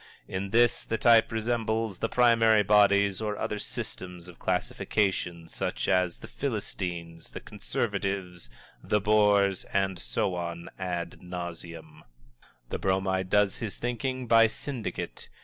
In this, the type resembles the primary bodies or other systems of classification, such as the Philistines, the Conservatives, the Bores and so on, ad nauseam. The Bromide does his thinking by syndicate.